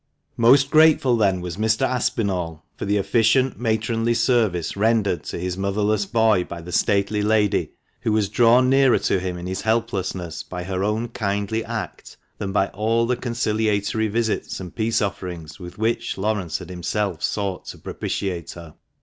280 THE MANCHESTER MAN. Most grateful then was Mr. Aspinall for the efficient matronly service rendered to his motherless boy by the stately lady, who was drawn nearer to him in his helplessness by her own kindly act than by all the conciliatory visits and peace offerings with which Laurence had himself sought to propitiate her.